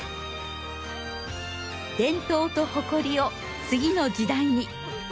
伝統と誇りを次の時代に。